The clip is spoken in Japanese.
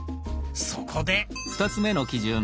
そこで！